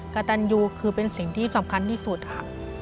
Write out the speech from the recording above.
กระตันยูคือเป็นสิ่งที่สำคัญที่สุดค่ะ